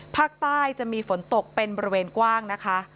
ภาคใต้จะมีฝนตกเป็นบริเวณกว้างนะคะ